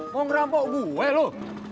mau ngerampok gue lo